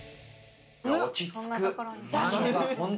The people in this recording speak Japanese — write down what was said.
落ち着く。